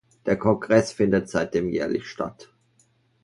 Der Kongress findet seitdem jährlich statt.